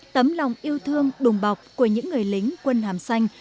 tấm lòng yêu thương đùm bọc của những người lính quân hàm xanh